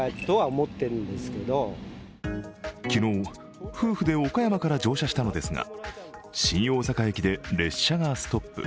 昨日、夫婦で岡山から乗車したのですが、新大阪駅で列車がストップ。